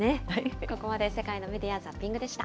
ここまで、世界のメディア・ザッピングでした。